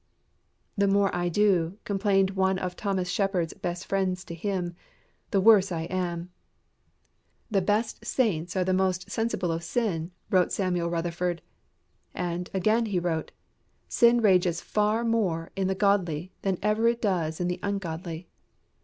"The more I do," complained one of Thomas Shepard's best friends to him, "the worse I am." "The best saints are the most sensible of sin," wrote Samuel Rutherford. And, again he wrote, "Sin rages far more in the godly than ever it does in the ungodly."